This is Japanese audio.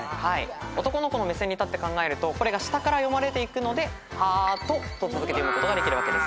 男の子の目線に立って考えるとこれが下から読まれていくので「ハート」と続けて読むことができるわけです。